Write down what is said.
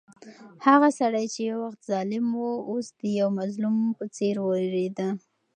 هغه سړی چې یو وخت ظالم و، اوس د یو مظلوم په څېر وېرېده.